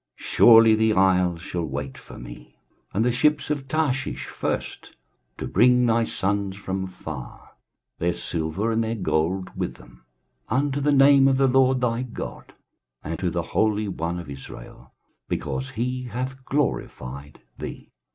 23:060:009 Surely the isles shall wait for me, and the ships of Tarshish first, to bring thy sons from far, their silver and their gold with them, unto the name of the LORD thy God, and to the Holy One of Israel, because he hath glorified thee.